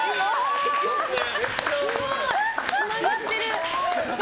すごい！つながってる！